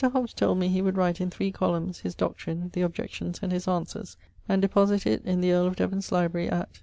Hobbes told me he would write, in three columnes, his doctrine, the objections, and his answers, and deposit it in the earle of Devon's library at